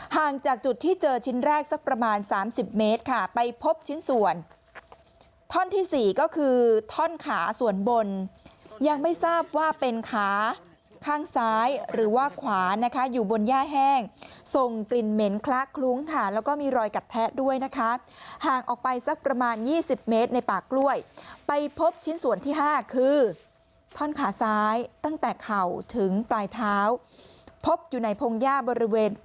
ห่างจากจุดที่เจอชิ้นแรกสักประมาณ๓๐เมตรค่ะไปพบชิ้นส่วนท่อนที่๔ก็คือท่อนขาส่วนบนยังไม่ทราบว่าเป็นขาข้างซ้ายหรือว่าขวานะคะอยู่บนย่าแห้งส่งกลิ่นเหม็นคละคลุ้งค่ะแล้วก็มีรอยกัดแทะด้วยนะคะห่างออกไปสักประมาณ๒๐เมตรในปากกล้วยไปพบชิ้นส่วนที่๕คือท่อนขาซ้ายตั้งแต่เข่าถึงปลายเท้าพบอยู่ในพงหญ